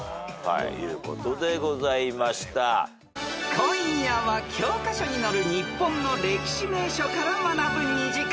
［今夜は教科書に載る日本の歴史名所から学ぶ２時間］